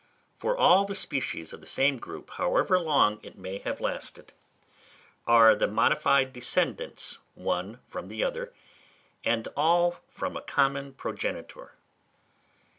For all the species of the same group, however long it may have lasted, are the modified descendants one from the other, and all from a common progenitor.